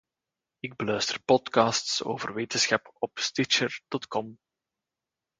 Ik beluister podcasts over wetenschap op Stitcher.com.